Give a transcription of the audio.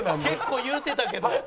結構言うてたけど。